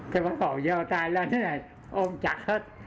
cái bắt hồ vô tay lên thế này ôm chặt hết